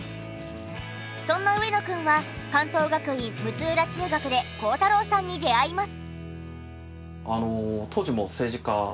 そんな上野くんは関東学院六浦中学で孝太郎さんに出会います。